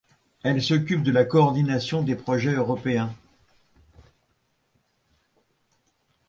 Elle s'occupe de la coordination des projets européens.